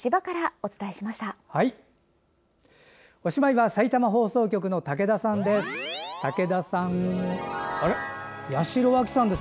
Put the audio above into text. おしまいはさいたま放送局の武田さんです。